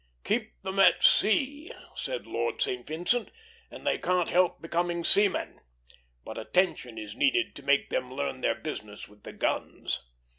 "Keep them at sea," said Lord St. Vincent, "and they can't help becoming seamen; but attention is needed to make them learn their business with the guns."